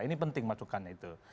ini penting masukkan itu